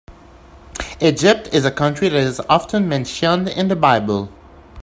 Egypt is a country that is often mentioned in the Bible.